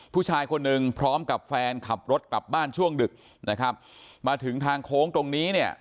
ผู้ชายคนหนึ่งพร้อมกับแฟนขับรถกลับบ้านช่วงดึกนะครับมาถึงทางโค้งตรงนี้เนี่ย